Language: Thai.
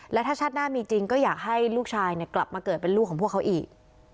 และถ้าชาติหน้ามีจริงก็อยากให้ลูกชายกลับมาเกิดเป็นลูกของพวกเขาอีก